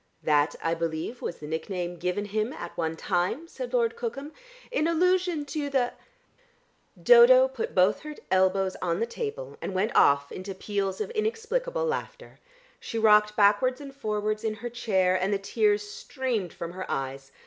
"That I believe was the nickname given him at one time," said Lord Cookham, "in allusion to the " Dodo put both her elbows on the table, and went off into peals of inexplicable laughter; she rocked backwards and forwards in her chair, and the tears streamed from her eyes.